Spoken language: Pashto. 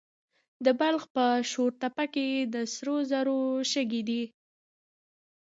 د بلخ په شورتپه کې د سرو زرو شګې دي.